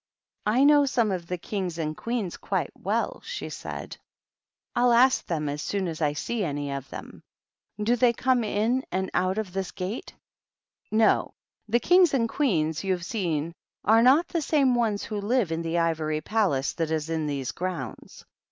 " I know some of the Kings and Queens quite well," she said. " I'll ask them as soon as I see THE PAGEANT. 291 any of them. Do they come in and out of this gate r " No. The Kings and Queens you've seen are not the same ones who live in the ivory palace that is in these grounds.